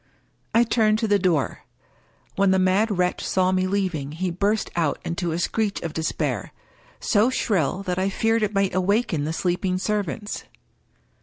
I turned to the door. When the mad wretch saw me leaving him he burst out into a screech of despair — so shrill that I feared it might awaken the sleeping servants.